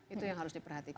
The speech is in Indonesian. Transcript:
itu yang harus diperhatikan